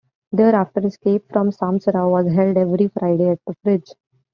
Thereafter, Escape from Samsara was held every Friday at The Fridge.